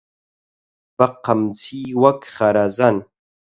بەقەمچی وەک خەرەزەن